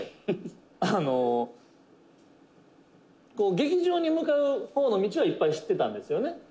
「あの劇場に向かう方の道はいっぱい知ってたんですよね」